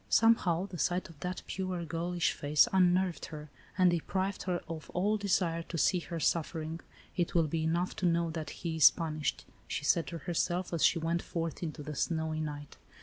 Somehow the sight of that pure, girlish face unnerved her, and deprived her of all desire to see her suffering. " It will be enough to know that he is punished," she said to herself, as she went forth into the snowy night.